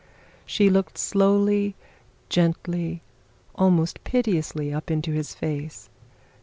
She looked slowly, gently, almost piteously up into his face.